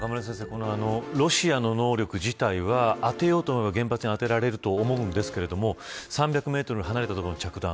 このロシアの能力自体はあてようと思えば原発にあてられると思うんですけど３００メートル離れた所に着弾。